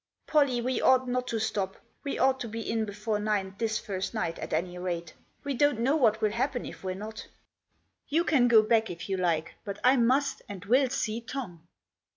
" Pollie, we ought not to stop. We ought to be in before nine this first night, at any rate. We don't know what will happen if we're not." Digitized by 76 THE JOSS. " You can go back if you like, but I must and will see Tom."